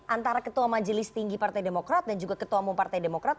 antara ketua majelis tinggi partai demokrat dan juga ketua umum partai demokrat